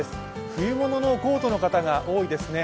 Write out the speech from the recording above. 冬物のコートの方が多いですね。